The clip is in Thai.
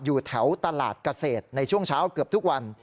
อยู่แถวตลาดเกษตรในช่วงเช้าเกือบทุกวัน